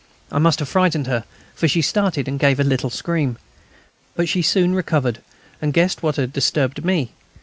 I must have frightened her, for she started and gave a little scream. But she soon recovered, and guessed what had disturbed me.